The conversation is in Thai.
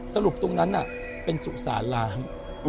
สรุปตรงนั้นเป็นสุสานล้าง